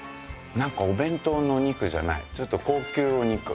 なんかお弁当のお肉じゃないちょっと高級お肉。